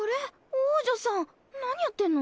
王女さん何やってんの？